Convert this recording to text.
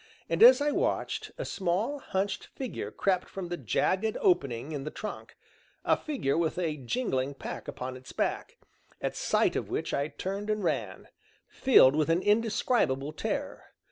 And, as I watched, a small, hunched figure crept from the jagged opening in the trunk, a figure with a jingling pack upon its back, at sight of which I turned and ran, filled with an indescribable terror.